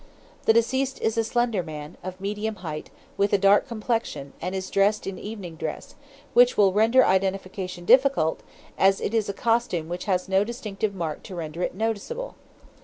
The deceased is a slender man, of medium height, with a dark complexion, and is dressed in evening dress, which will render identification difficult, as it is a costume which has no distinctive mark to render it noticeable.